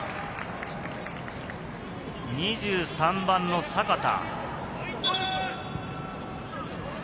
２３番の坂田。